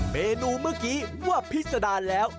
เมนูเมื่อกี้ว่าพิษดารแล้ว